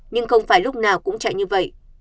nhưng không phải lúc nào cũng chạy như vậy